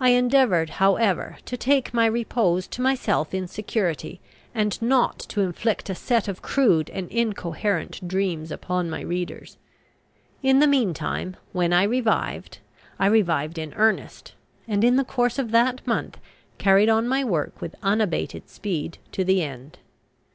I endeavoured, however, to take my repose to myself in security, and not to inflict a set of crude and incoherent dreams upon my readers. In the meantime, when I revived, I revived in earnest, and in the course of that month carried on my work with unabated speed to the end.